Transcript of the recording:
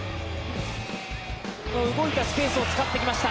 動いたスペースを使ってきました。